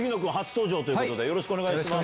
よろしくお願いします。